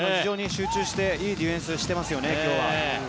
集中していいディフェンスしていますね今日は。